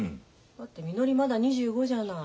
だってみのりまだ２５じゃない。